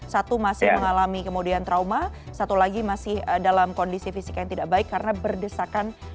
satu masih mengalami kemudian trauma satu lagi masih dalam kondisi fisika yang tidak baik karena berdesakan dengan anggota kapal